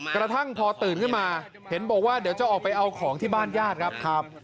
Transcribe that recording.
กระทั่งพอตื่นขึ้นมาเห็นบอกว่าเดี๋ยวจะออกไปเอาของที่บ้านญาติครับ